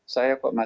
saya kok masih